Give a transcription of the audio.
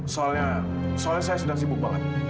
soalnya soalnya saya sedang sibuk banget